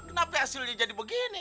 kenapa hasilnya jadi begini